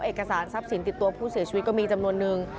เอกสารทรัพย์สินติดตัวผู้เสียชีวิตก็มีจำนวนนึง